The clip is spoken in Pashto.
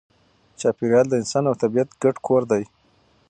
چاپېریال د انسان او طبیعت ګډ کور دی.